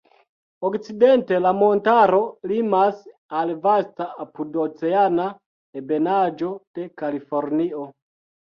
Okcidente la montaro limas al vasta apudoceana ebenaĵo de Kalifornio.